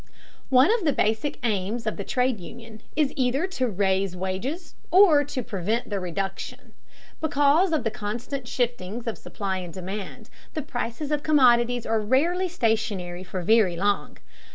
One of the basic aims of the trade union is either to raise wages or to prevent their reduction. Because of the constant shiftings of supply and demand, the prices of commodities are rarely stationary for very long.